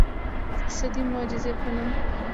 د اقتصادي معجزې په نوم.